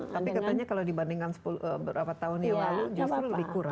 tapi katanya kalau dibandingkan beberapa tahun yang lalu justru lebih kurang